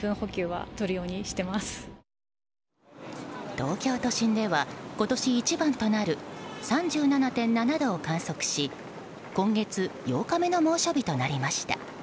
東京都心では、今年一番となる３７．７度を観測し今月８日目の猛暑日となりました。